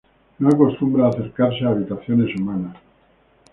No acostumbra acercarse a habitaciones humanas.